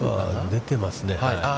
出てますね。